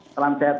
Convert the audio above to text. salam sehat selalu